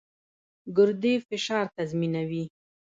ګردې فشار تنظیموي.